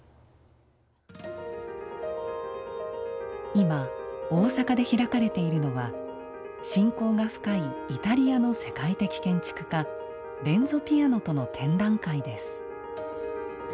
今大阪で開かれているのは親交が深いイタリアの世界的建築家レンゾ・ピアノとの展覧会です。